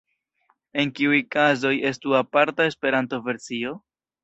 En kiuj kazoj estu aparta Esperanto-versio?